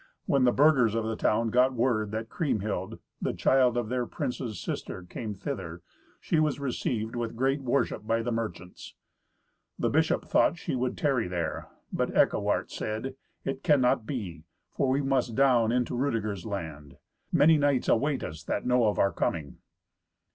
When the burghers of the town got word that Kriemhild, the child of their prince's sister, came thither, she was received with great worship by the merchants. The bishop thought she would tarry there, but Eckewart said, "It cannot be, for we must down into Rudeger's land. Many knights await us that know of our coming."